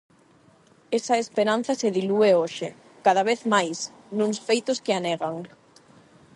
Esa esperanza se dilúe hoxe, cada vez máis, nuns feitos que a negan.